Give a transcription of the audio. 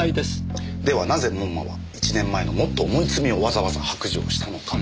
ではなぜ門馬は１年前のもっと重い罪をわざわざ白状したのか。